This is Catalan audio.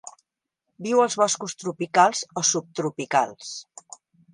Viu als boscos tropicals o subtropicals.